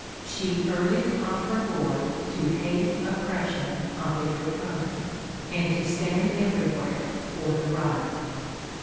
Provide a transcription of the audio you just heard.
She early taught her boy to hate oppression of every kind, and to stand everywhere for the right.